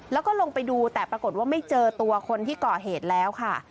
แล้วก็ลงไปดูแต่ปรากฏว่าไม่เจอตัวคนที่ก่อเหตุแล้วค่ะ